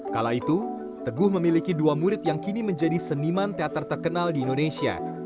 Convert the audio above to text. kala itu teguh memiliki dua murid yang kini menjadi seniman teater terkenal di indonesia